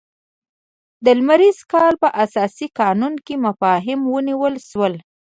د لمریز کال په اساسي قانون کې مفاهیم ونیول شول.